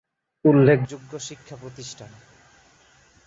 উল্লেখযোগ্য শিক্ষাপ্রতিষ্ঠান